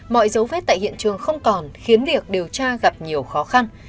mọi dấu vết tại hiện trường không còn khiến việc điều tra gặp nhiều khó khăn